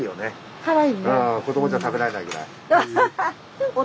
はい。